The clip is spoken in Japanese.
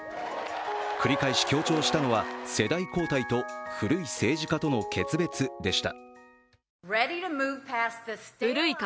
繰り返し強調したのは世代交代と古い政治家との決別でした。